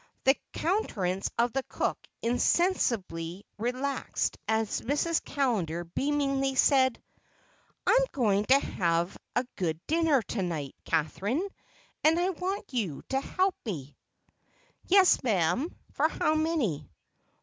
The countenance of the cook insensibly relaxed as Mrs. Callender beamingly said, "I'm going to have a good dinner to night, Catherine, and I want you to help me." "Yes, ma'am—for how many?"